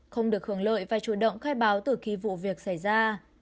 không được hưởng lợi và chủ động khai báo từ khi vụ việc xảy ra